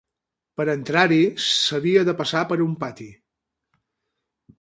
Per entrar-hi s'havia de passar per un pati